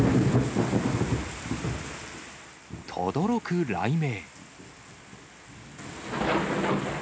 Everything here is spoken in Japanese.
とどろく雷鳴。